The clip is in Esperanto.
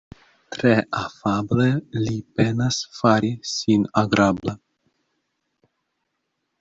Tre afable li penas fari sin agrabla.